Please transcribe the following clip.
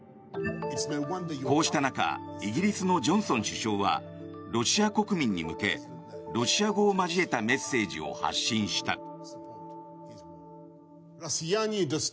こうした中イギリスのジョンソン首相はロシア国民に向けロシア語を交えたメッセージを発信した。